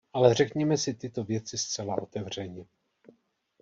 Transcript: Ale řekněme si tyto věci zcela otevřeně.